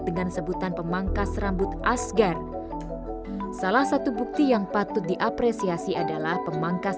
dengan sebutan pemangkas rambut asgar salah satu bukti yang patut diapresiasi adalah pemangkas